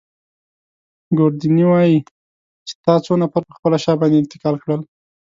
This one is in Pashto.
ګوردیني وايي چي تا څو نفره پر خپله شا باندې انتقال کړل.